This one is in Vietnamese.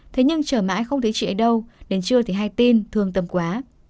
thế nhưng chờ mãi không thấy chị ấy đâu đến trưa thì hai tìn thương tâm quá